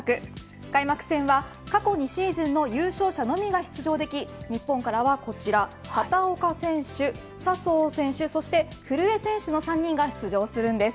開幕戦は、過去２シーズンの優勝者のみが出場でき日本からはこちら畑岡選手、笹生選手そして古江選手の３人が出場するんです。